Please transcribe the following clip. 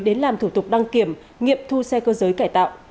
đến làm thủ tục đăng kiểm nghiệm thu xe cơ giới cải tạo